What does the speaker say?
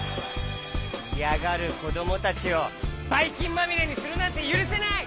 いやがるこどもたちをバイきんまみれにするなんてゆるせない！